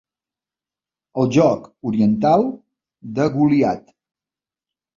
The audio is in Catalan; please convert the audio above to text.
El joc oriental de goliat.